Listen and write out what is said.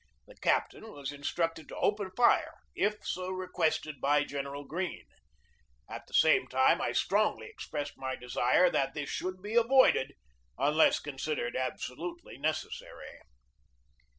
The captain was instructed to open fire if so requested by General Greene. At the same time I strongly expressed my desire that this should be avoided un less considered absolutely necessary.